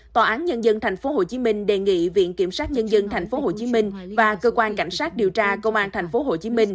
tòa án nhân dân tp hcm đề nghị viện kiểm sát nhân dân tp hcm và cơ quan cảnh sát điều tra công an tp hcm